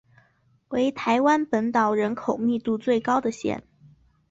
为台湾本岛人口密度最高的乡。